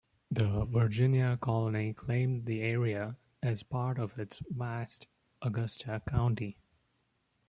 The Virginia Colony claimed the area as part of its vast Augusta County.